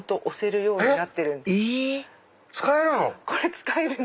⁉使えるの⁉